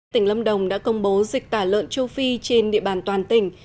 tỉnh lâm đồng đã công bố dịch tả lợn châu phi trên địa bàn toàn tỉnh